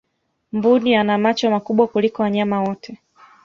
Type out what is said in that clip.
mbuni ana macho makubwa kuliko wanyama wote